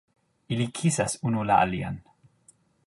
Ili kisas unu la alian!